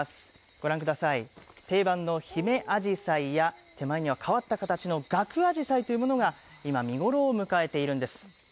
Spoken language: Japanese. ご覧ください、定番の姫あじさいや手前には変わった形のがくあじさいというものが今、見頃を迎えているんです。